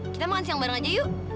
kita makan siang bareng aja yuk